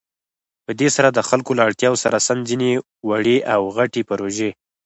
په دې سره د خلكو له اړتياوو سره سم ځينې وړې او غټې پروژې